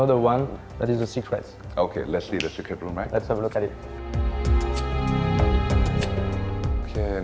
เรามี๒ที่ที่งาน